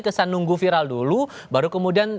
kesan nunggu viral dulu baru kemudian